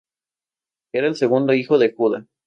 Era el segundo hijo de Judá.